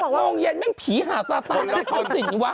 ๖โมงเย็นแม่งผีหาสตาร์ทอะไรขนสินอยู่วะ